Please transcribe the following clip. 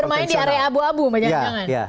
atau bermain di area abu abu banyak banyak